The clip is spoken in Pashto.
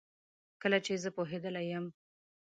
کله چي زه پوهیدلې یم